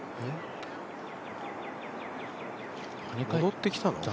戻ってきたの？